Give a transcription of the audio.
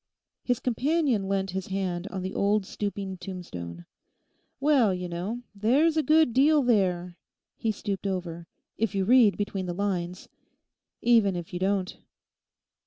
His companion leant his hand on the old stooping tombstone. 'Well, you know, there's a good deal there'—he stooped over—'if you read between the lines. Even if you don't.